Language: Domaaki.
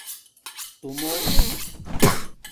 تُݸمُور